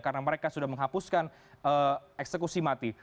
karena mereka sudah menghapuskan eksekusi mati